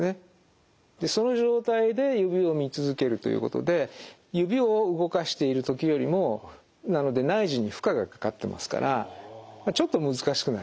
でその状態で指を見続けるということで指を動かしている時よりもなので内耳に負荷がかかってますからちょっと難しくなりますね。